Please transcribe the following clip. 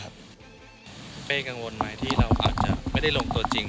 เป้กังวลไหมที่เราอาจจะไม่ได้ลงตัวจริง